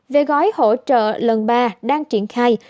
về gói hỗ trợ lần ba đang triển khai